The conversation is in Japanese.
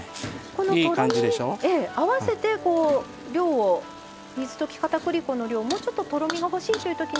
あわせて水溶きかたくり粉の量をもうちょっと、とろみが欲しいというときは。